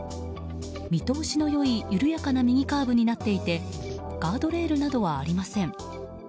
見通しの良い緩やかな右カーブになっていてガードレールなどはありません。